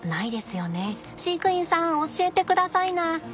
飼育員さん教えてくださいな。